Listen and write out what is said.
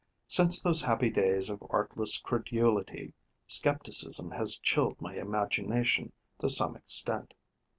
Since those happy days of artless credulity, scepticism has chilled my imagination to some extent.